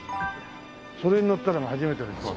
それに乗ったのが初めての飛行機。